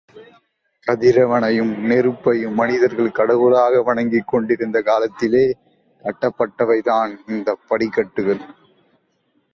கதிரவனையும், நெருப்பையும் மனிதர்கள் கடவுளாக வணங்கிக் கொண்டிருந்த காலத்திலே கட்டப்பட்டவைதான் இந்தப்படிக்கட்டுகள்.